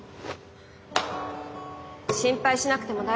心配しなくても大丈夫ですよ。